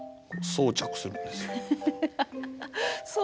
装着するんです。